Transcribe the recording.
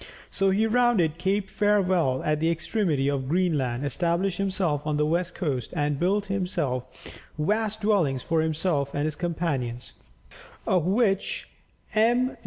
So he rounded Cape Farewell at the extremity of Greenland, established himself on the west coast, and built some vast dwellings for himself and his companions, of which M.